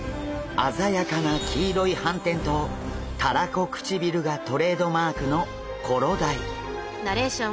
鮮やかな黄色い斑点とたらこ唇がトレードマークのコロダイ。